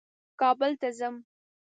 کابل ته ځم.